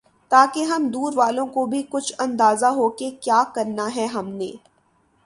تاکہ ہم دور والوں کو بھی کچھ اندازہ ہوکہ کیا کرنا ہے ہم نے